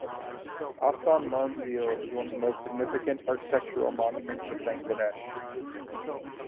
Ahsan Manzil is one of the most significant architectural monuments of Bangladesh.